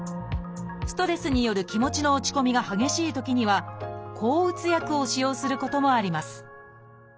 ストレスによる気持ちの落ち込みが激しいときには抗うつ薬を使用することもあります